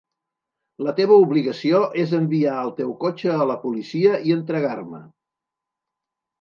La teva obligació és enviar el teu cotxe a la policia i entregar-me.